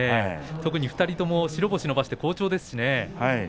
特に２人とも白星を伸ばして好調ですしね。